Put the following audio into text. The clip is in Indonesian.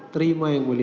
terima yang mulia